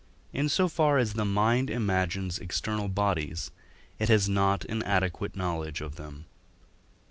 in so far as the mind imagines external bodies, it has not an adequate knowledge of them.